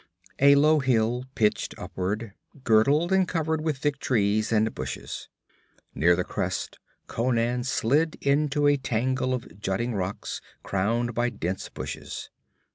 A low hill pitched upward, girdled and covered with thick trees and bushes. Near the crest Conan slid into a tangle of jutting rocks, crowned by dense bushes.